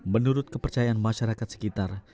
menurut kepercayaan masyarakat sekitar